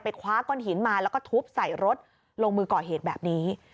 คว้าก้อนหินมาแล้วก็ทุบใส่รถลงมือก่อเหตุแบบนี้